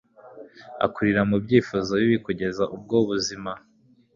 akurira mu byifuzo bibi, kugeza ubwo ubuzima